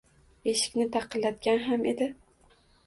Eshikni taqillatgan ham edi.